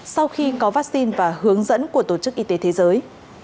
sau khi có vaccine và hướng dẫn của tổ chức y tế thế giới